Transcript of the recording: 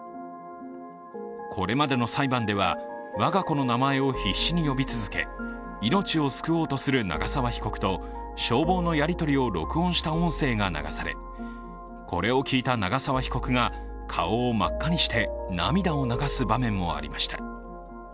これまでの裁判では、我が子の名前を必死に呼び続け命を救おうとする長沢被告と消防のやりとりを録音した音声が流され、これを聞いた長沢被告が顔を真っ赤にして涙を流す場面もありました。